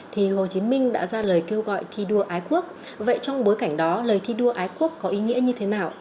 thì hồ chí minh đã ra lời kêu gọi thi đua ái quốc vậy trong bối cảnh đó lời thi đua ái quốc có ý nghĩa như thế nào